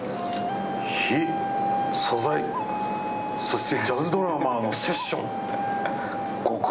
火、素材、そしてジャズドラマーのセッション。